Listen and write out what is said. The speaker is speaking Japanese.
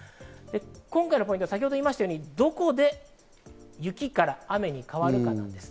今回のポイント、先ほど言いましたように、どこで雪から雨に変わるかです。